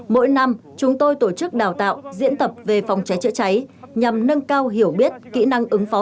mỗi năm chúng tôi tổ chức đào tạo diễn tập về phòng cháy chữa cháy nhằm nâng cao hiểu biết kỹ năng ứng phó